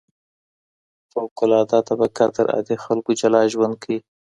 فوق العاده طبقه تر عادي خلګو جلا ژوند کوي.